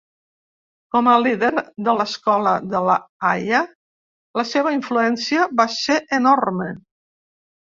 Com a líder de l'Escola de La Haia, la seva influència va ser enorme.